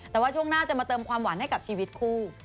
แต่ว่าช่วงหน้าจะมาเติมความหวานให้กับชีวิตคู่